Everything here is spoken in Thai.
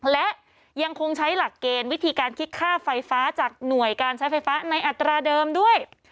และยังคงใช้หลักเกณฑ์วิธีการคิดค่าไฟฟ้าจากหน่วยการใช้ไฟฟ้าในอัตราเดิมด้วย